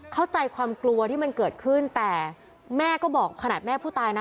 เข้าใจความกลัวที่มันเกิดขึ้นแต่แม่ก็บอกขนาดแม่ผู้ตายนะ